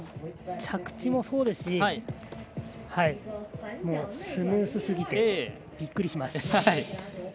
着地もそうですしスムーズすぎてびっくりしました。